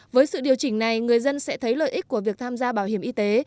với sự điều chỉnh này người dân sẽ thấy lợi ích của việc tham gia bảo hiểm y tế